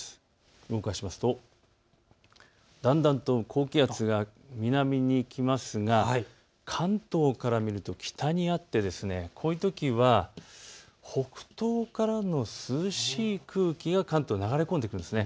動かしますとだんだんと高気圧が南に行きますが関東から見ると北にあってこういうときは北東からの涼しい空気が関東に流れ込んでくるんです。